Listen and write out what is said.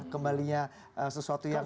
kembalinya sesuatu yang